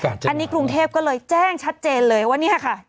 อันนี้กรุงเทพก็เลยแจ้งชัดเจนเลยว่าเนี่ยค่ะ